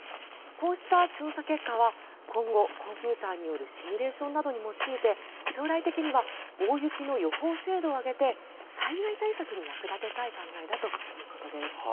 こうした調査結果は今後コンピューターによるシミュレーションなどに用いて将来的には大雪の予報精度を上げて災害対策に役立てたい考えだということです。